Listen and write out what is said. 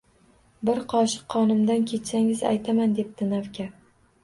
Bir qoshiq qonimdan kechsangiz aytaman, debdi navkar